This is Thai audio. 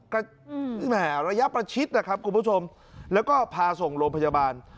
แหมระยะประชิดนะครับคุณผู้ชมแล้วก็พาส่งโรงพยาบาล